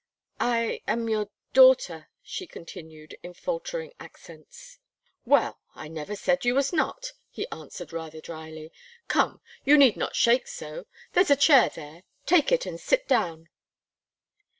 "I am your daughter," she continued, in faltering accents. "Well! I never said you was not;" he answered rather drily. "Come, you need not shake so; there's a chair there. Take it and at down."